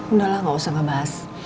udah lah gak usah ngebahas